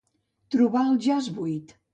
Trobar el jaç buit.